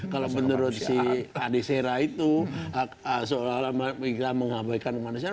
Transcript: kalau menurut si adi sera itu seolah olah kita mengabaikan manusia